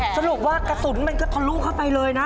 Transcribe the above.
สรุปว่ากระสุนเขาล่วงไปเลยนะ